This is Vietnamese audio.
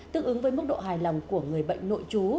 tương ứng với mức độ hài lòng của người bệnh nội chú